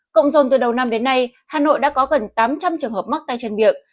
cộng dồn từ đầu năm đến nay hà nội đã có gần tám trăm linh trường hợp mắc tay chân miệng